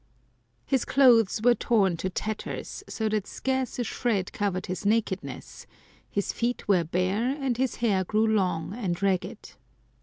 " His clothes were torn to tatters, so that scarce a shred covered his nakedness, his* feet were bare, and his hair grew long and ragged.